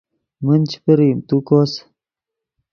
من چے پرئیم تو کوس